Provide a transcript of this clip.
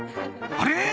あれ？